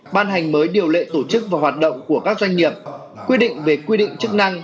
ban hành mới điều lệ tổ chức và hoạt động của các doanh nghiệp quy định về quy định chức năng